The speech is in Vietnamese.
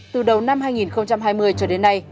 từ đầu năm hai nghìn hai mươi cho đến nay